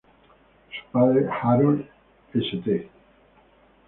Su padre, Harold St.